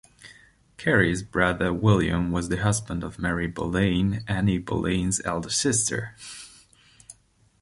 Carey's brother William was the husband of Mary Boleyn, Anne Boleyn's elder sister.